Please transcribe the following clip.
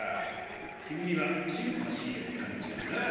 きみにはシンパシーをかんじるなー。